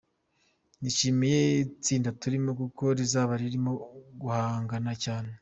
Nishimiye itsinda turimo kuko rizaba ririmo guhangana cyane.